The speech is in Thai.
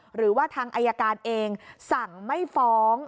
หรือว่าทางอายการเองสั่งไม่ฟ้อง